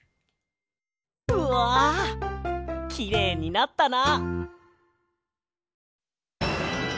うわきれいになったな！